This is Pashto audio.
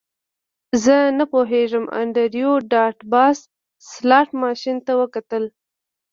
زه نه پوهیږم انډریو ډاټ باس سلاټ ماشین ته وکتل